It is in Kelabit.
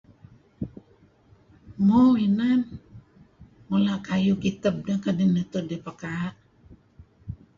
Mo inan, mula' kayuh kiteb deh kadi' neto' idih pekaa'.